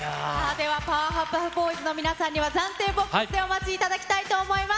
では、パワーパフボーイズの皆さんには、暫定ボックスでお待ちいただきたいと思います。